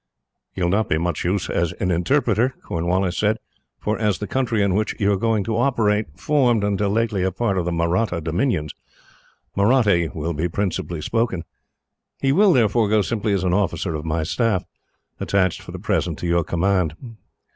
"He will not be of much use as an interpreter," he said, "for as the country in which you are going to operate formed, until lately, a part of the Mahratta dominions, Mahratti will be principally spoken. He will, therefore, go simply as an officer of my staff, attached for the present to your command.